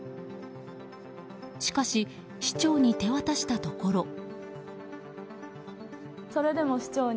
しかし、市長に手渡したところ。